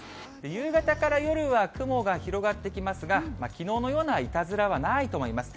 夕方から夜は雲が広がってきますが、きのうのようないたずらはないと思います。